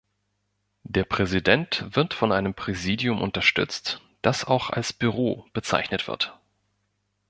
Der Präsident wird von einem Präsidium unterstützt, das auch als "Büro" bezeichnet wird.